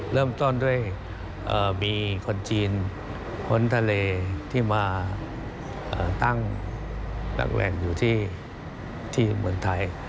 เริ่มต้นด้วยมีคนจีนพ้นทะเลที่มาตั้งหลักแหว่งอยู่ที่เมืองไทย